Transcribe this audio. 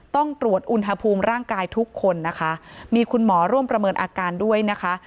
ต้องตรวจอุณหภูมิร่างกายทุกคนนะคะมีคุณหมอร่วมประเมินอาการด้วยนะคะ